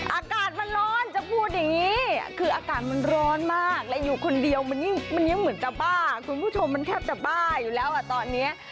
อากาศมันร้อนจะพูดอย่างนี้คืออากาศมันร้อนมากและอยู่คนเดียวมันยิ่งมันยังเหมือนจะบ้าคุณผู้ชมมันแทบจะบ้าอยู่แล้วอ่ะตอนนี้